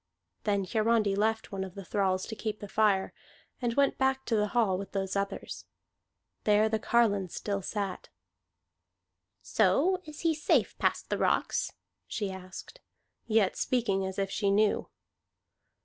Then Hiarandi left one of the thralls to keep the fire, and went back to the hall with those others. There the carline still sat. "So he is safe past the rocks?" she asked, yet speaking as if she knew.